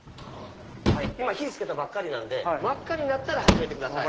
今火付けたばっかりなんで真っ赤になったら始めてください。